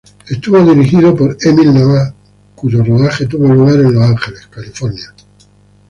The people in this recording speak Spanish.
Estuvo dirigido por Emil Nava, cuyo rodaje tuvo lugar en Los Ángeles, California.